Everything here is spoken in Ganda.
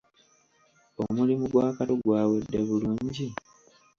Omulimu gwa Kato gwawedde bulungi?